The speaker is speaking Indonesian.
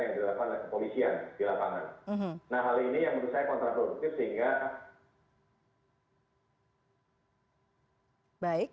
yang dilakukan oleh kepolisian di lapangan